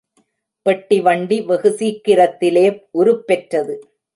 பெட்டிவண்டி வெகு சீக்கிரத்திலே உருப்பெற்றது.